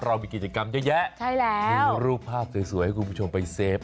เรามีกิจกรรมเยอะถือรูปภาพสวยให้คุณผู้ชมไปเซฟ